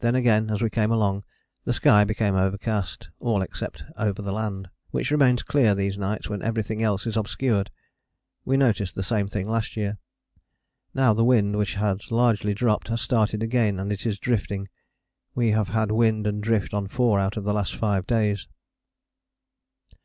Then again as we came along, the sky became overcast all except over the land, which remains clear these nights when everything else is obscured. We noticed the same thing last year. Now the wind, which had largely dropped, has started again and it is drifting. We have had wind and drift on four out of the last five days.